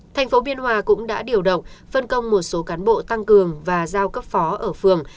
thành phố biên hòa cũng đã điều động phân công một số cán bộ tăng cường và giao cấp phó ở phường